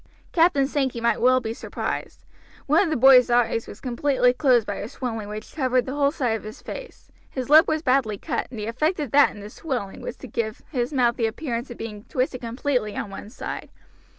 Captain Sankey might well be surprised. One of the boy's eyes was completely closed by a swelling which covered the whole side of his face. His lip was badly cut, and the effect of that and the swelling was to give his mouth the appearance of being twisted completely on one side.